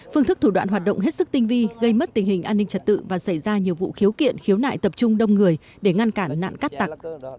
phương thức thủ đoạn hoạt động hết sức tinh vi gây mất tình hình an ninh trật tự và xảy ra nhiều vụ khiếu kiện khiếu nại tập trung đông người để ngăn cản nạn cát tặc